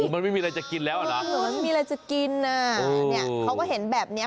มันไม่มีอะไรจะกินแล้วอ่ะนะถนนมีอะไรจะกินน่ะเนี่ยเขาก็เห็นแบบเนี้ย